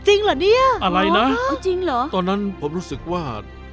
จริงเหรอเนี่ยอะไรนะเอาจริงเหรอตอนนั้นผมรู้สึกว่า